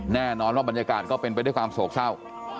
แน่นอนว่าบรรยากาศก็เป็นไปด้วยความโศกเศร้า